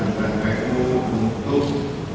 dan akun renku untuk